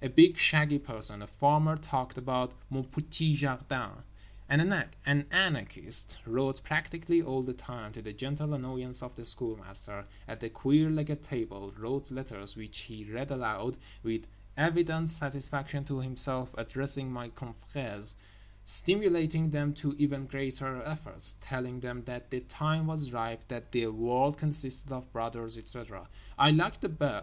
A big, shaggy person, a farmer, talked about "mon petit jardin," an anarchist, wrote practically all the time (to the gentle annoyance of The Schoolmaster) at the queer legged table; wrote letters (which he read aloud with evident satisfaction to himself) addressing "my confrères," stimulating them to even greater efforts, telling them that the time was ripe, that the world consisted of brothers, etc. I liked The Bear.